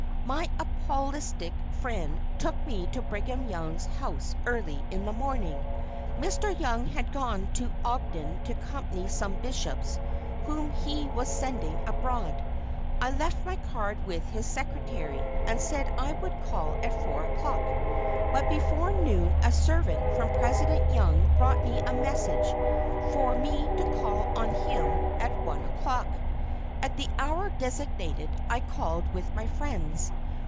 My apostolic friend took me to Brigham Young's house early in the morning. Mr. Young had gone to Ogden to accompany some Bishops whom he was sending abroad. I left my card with his Secretary, and said I would call at four o'clock. But before noon a servant from President Young brought a message for me to call on him at one o'clock. At the hour designated I called with my friends.